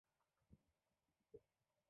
展枝沙参为桔梗科沙参属的植物。